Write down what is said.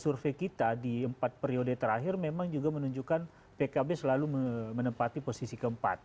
survei kita di empat periode terakhir memang juga menunjukkan pkb selalu menempati posisi keempat